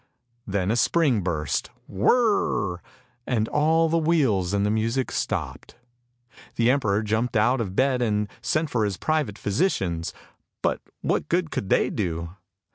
Then a spring burst, " whirr " went all the wheels and the music stopped. The emperor jumped out of bed and sent for his private physicians, but what good could they do?